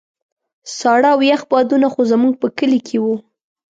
ساړه او يخ بادونه خو زموږ په کلي کې وو.